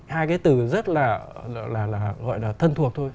hai cái từ rất là gọi là thân thuộc thôi